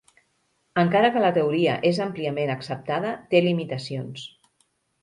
Encara que la teoria és àmpliament acceptada, té limitacions.